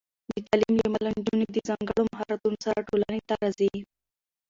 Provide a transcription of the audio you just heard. د تعلیم له امله، نجونې د ځانګړو مهارتونو سره ټولنې ته راځي.